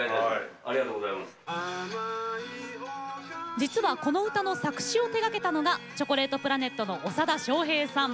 実は、この歌の作詞を手がけたのがチョコレートプラネットの長田庄平さん。